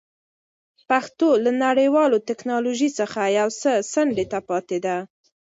پښتو له نړیوالې ټکنالوژۍ څخه یو څه څنډې ته پاتې ده.